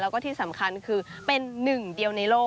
แล้วก็ที่สำคัญคือเป็นหนึ่งเดียวในโลก